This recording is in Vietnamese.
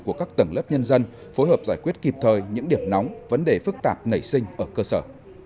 của các tầng lớp nhân dân phối hợp giải quyết kịp thời những điểm nóng vấn đề phức tạp nảy sinh ở cơ sở